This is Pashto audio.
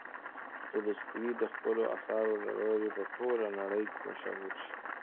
تولستوی د خپلو اثارو له لارې په ټوله نړۍ کې مشهور شو.